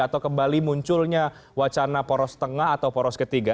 atau kembali munculnya wacana poros tengah atau poros ketiga